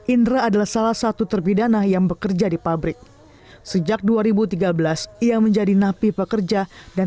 indra adalah salah satu terpidana yang bekerja di pabrik sejak dua ribu tiga belas ia menjadi napi pekerja dan